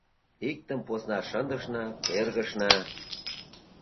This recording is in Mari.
— Иктым посна шындышна, тергышна.